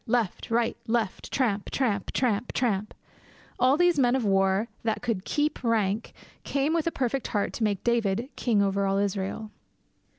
Left! Right! Left! Tramp! tramp! tramp! tramp! All these men of war that could keep rank came with a perfect heart to make David king over all Israel.